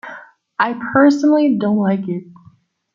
I personally don't like it.